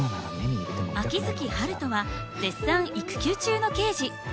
秋月春風は絶賛育休中の刑事。